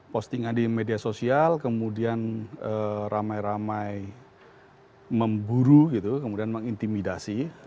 postingan di media sosial kemudian ramai ramai memburu gitu kemudian mengintimidasi